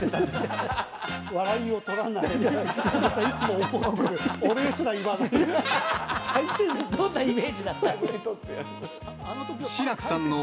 どんなイメージだったの。